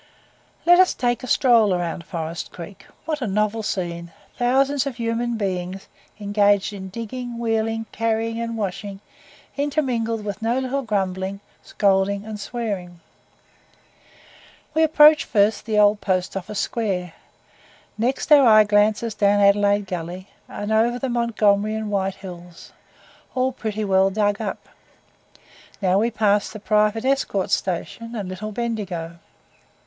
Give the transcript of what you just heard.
Let us take a stroll round Forest Creek what a novel scene! thousands of human beings engaged in digging, wheeling, carrying, and washing, intermingled with no little grumbling, scolding and swearing. We approach first the old Post office Square; next our eye glances down Adelaide Gully, and over the Montgomery and White Hills, all pretty well dug up; now we pass the Private Escort Station, and Little Bendigo.